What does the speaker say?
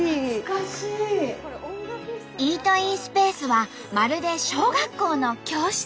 イートインスペースはまるで小学校の教室。